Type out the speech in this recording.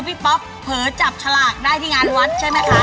ป๊อปเผลอจับฉลากได้ที่งานวัดใช่ไหมคะ